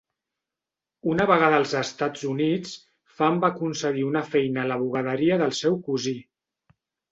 Una vegada als Estats Units, Pham va aconseguir una feina a la bugaderia del seu cosí.